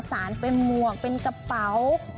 สารเป็นหมวกเป็นกระเป๋า